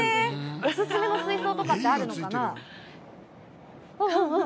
お勧めの水槽とかってあるのかな？